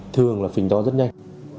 thường là phình to rất nhanh